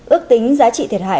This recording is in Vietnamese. ước tính giá trị thiệt hại